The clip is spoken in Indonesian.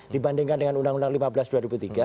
dibandingkan dengan undang undang lima belas dua ribu tiga